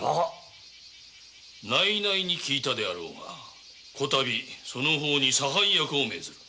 内々に聞いたであろうがその方に差配役を命じる。